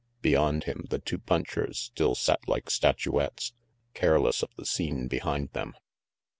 Beyond him, the two punchers still sat like statuettes, careless of the scene behind them.